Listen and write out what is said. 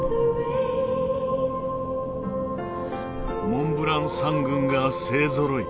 モンブラン山群が勢ぞろい。